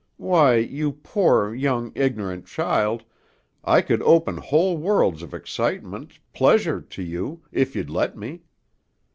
Why, you poor, young, ignorant child, I could open whole worlds of excitement, pleasure, to you, if you'd let me.